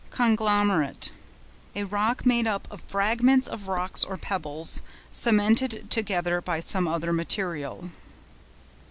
CONGLOMERATE.—A rock made up of fragments of rock or pebbles, cemented together by some other material.